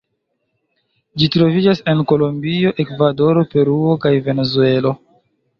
Ĝi troviĝas en Kolombio, Ekvadoro, Peruo kaj Venezuelo.